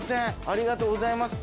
ありがとうございます。